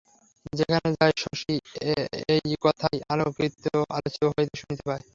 যেখানে যায় শশী, এই কথাই আলোচিত হইতে শুনিতে পায়।